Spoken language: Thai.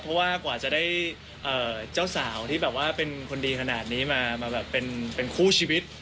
เพราะว่ากว่าจะได้เจ้าสาวที่แบบว่าเป็นคนดีขนาดนี้มาแบบเป็นคู่ชีวิต